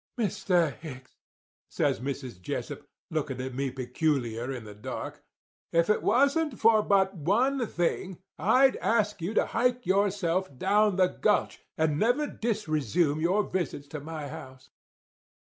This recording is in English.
"'Mr. Hicks,' says Mrs. Jessup, looking at me peculiar in the dark, 'if it wasn't for but one thing, I'd ask you to hike yourself down the gulch and never disresume your visits to my house.